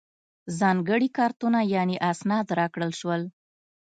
ځانګړي کارتونه یعنې اسناد راکړل شول.